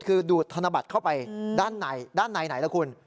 คือดูดธนบัตรเข้าไปด้านในด้านในไหนล่ะคุณ